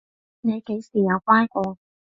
你幾時有乖過？